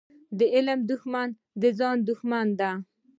د علم دښمني د ځان دښمني ده.